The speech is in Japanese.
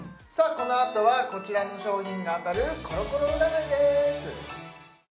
このあとはこちらの商品が当たるコロコロ占いです